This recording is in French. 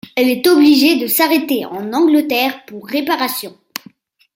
Elle est obligée de s'arrêter en Angleterre pour réparations.